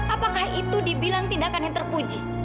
apakah itu dibilang tindakan yang terpuji